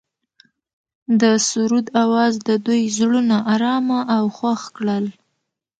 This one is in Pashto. د سرود اواز د دوی زړونه ارامه او خوښ کړل.